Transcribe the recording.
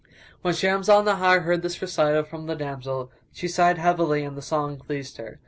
When Shams Al Nahar heard this recital from the damsel, she sighed heavily and the song pleased her.